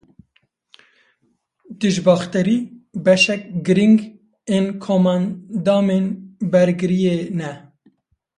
Dijbakterî beşek giring ên komendamên bergiriyê ne.